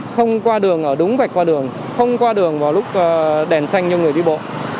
không qua đường ở đúng vạch qua đường không qua đường vào lúc đèn xanh cho người đi bộ